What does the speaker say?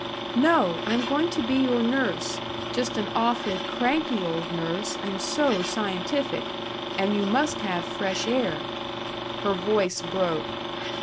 "No. I'm going to be your nurse. Just an awfully cranky old nurse, and so scientific. And you must have fresh air." Her voice broke.